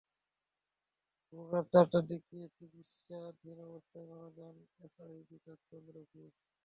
ভোররাত চারটার দিকে চিকিত্সাধীন অবস্থায় মারা যান এসআই বিকাশ চন্দ্র ঘোষ।